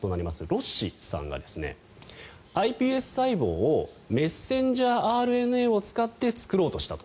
ロッシさんがｉＰＳ細胞をメッセンジャーＲＮＡを使って作ろうとしたと。